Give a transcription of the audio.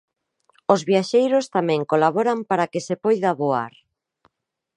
Os viaxeiros tamén colaboran para que se poida voar.